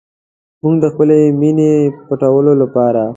موږ د خپلې مینې د پټولو لپاره.